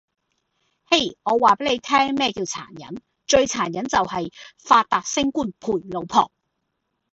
嘿!我話你聽咩叫殘忍，最殘忍就喺“發達，升官，陪老婆”!